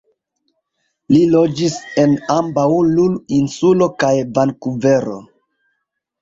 Li loĝis en ambaŭ Lulu-insulo kaj Vankuvero.